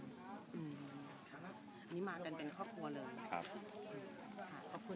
ครับอันนี้มากันเป็นครอบครัวเลย